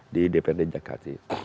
di dprd jakarta